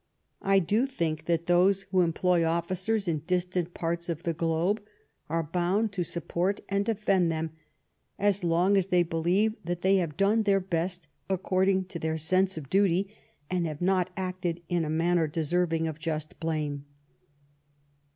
I do think that those who employ officers m distant parts of the globe are bound to support and defend them, as long as they believe that they have done their best according to their sense of duty, and have not acted in a manner deserving of just blame.